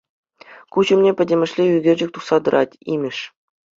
Куҫ умне пӗтӗмӗшле ӳкерчӗк тухса тӑрать имӗш.